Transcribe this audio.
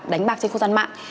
đánh bạc trên khu dân mạng